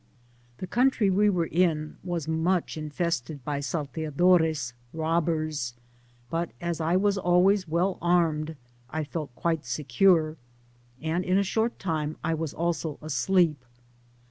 The country we were in was much infested by salteadores (robbers,) but as I was always well armed I felt quite secure, and in a short time I was also asleep.